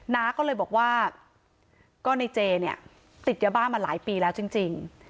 น้าก็เลยบอกว่าก็ในเจเนี่ยติดยาบ้ามาหลายปีแล้วจริง